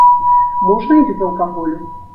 Можна і без алкаголю.